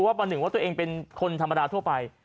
ประหนึ่งว่าตัวเองเป็นคนธรรมดาทั่วไป